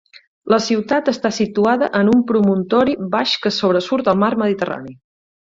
La ciutat està situada en un promontori baix que sobresurt al mar Mediterrani.